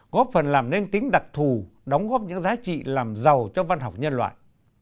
góp phần làm nên tính đặc thù đóng góp những giá trị làm giàu cho văn học nhân loại